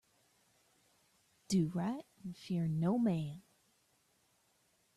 Do right and fear no man.